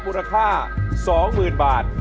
มูลค่าสองหมื่นบาท